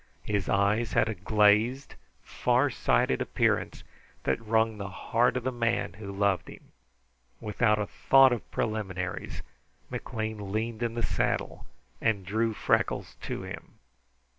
His eyes had a glazed, far sighted appearance, that wrung the heart of the man who loved him. Without a thought of preliminaries, McLean leaned in the saddle and drew Freckles to him.